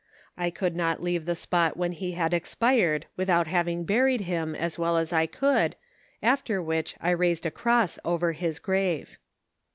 I could not leave the spot when he had expired without having buried him as well as I could, after which I raised a cross over his grave.